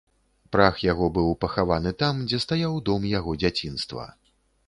Прах яго быў пахаваны там, дзе стаяў дом яго дзяцінства.